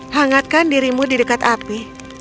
hangatkan dirimu di dekat api